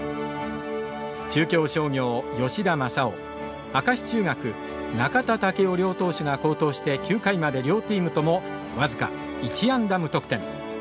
中京商業・吉田正男明石中学・中田武雄両投手が好投して９回まで両チームとも僅か１安打、無得点。